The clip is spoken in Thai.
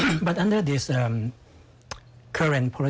จะเป็นภารกิจที่แทนสำคัญ